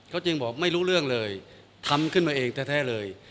เขาจึงบอกไม่รู้เรื่องเลยทำขึ้นมาเองแท้เลย